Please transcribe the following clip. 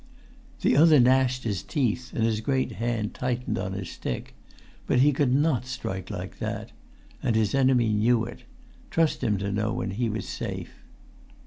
The other gnashed his teeth, and his great hand tightened on his stick. But he could not strike like that. And his enemy knew it; trust him to know when he was safe!